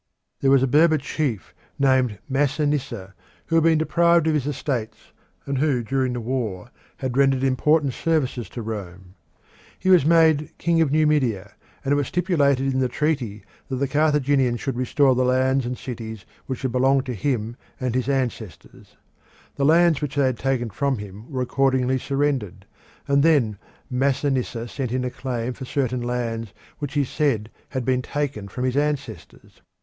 There was a Berber chief named Masinissa who had been deprived of his estates, and who during the war had rendered important services to Rome. He was made king of Numidia, and it was stipulated in the treaty that the Carthaginians should restore the lands and cities which had belonged to him and to his ancestors. The lands which they had taken from him were accordingly surrendered, and then Masinissa sent in a claim for certain lands which he said had been taken from his ancestors.